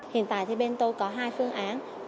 hiện tại thì bên tôi có hai phương án